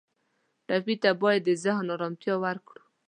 ټپي ته باید د ذهن آرامتیا ورکړو.